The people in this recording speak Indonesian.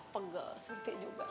pegel sentih juga